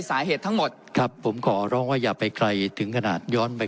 สาเหตุทั้งหมดครับผมขอร้องว่าอย่าไปไกลถึงขนาดย้อนไป